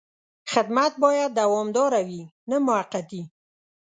خدمت باید دوامداره وي، نه موقتي.